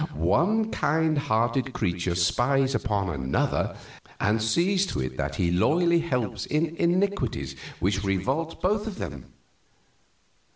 One kind hearted creature spies upon another, and sees to it that he loyally helps in iniquities which revolt both of them.